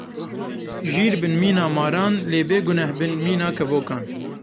Jîr bin mîna maran lê bêguneh bin mîna kevokan.